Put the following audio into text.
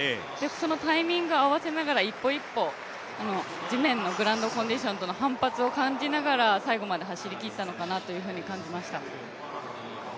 そのタイミング合わせながら１歩１歩地面のグラウンドコンディションとの反発を感じながら最後まで走りきったのかなと感じました。